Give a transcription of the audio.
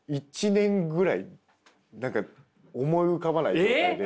１年ぐらい何か思い浮かばない状態で。